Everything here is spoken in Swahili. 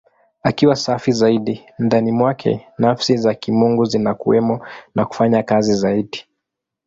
Akiwa safi zaidi, ndani mwake Nafsi za Kimungu zinakuwemo na kufanya kazi zaidi.